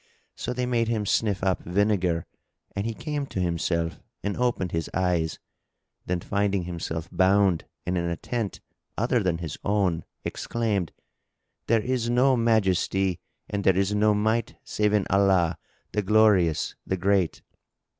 So they made him sniff up vinegar and he came to himself and opened his eyes; then, finding himself bound and in a tent other than his own, exclaimed, "There is no Majesty and there is no Might save in Allah, the Glorious the Great!"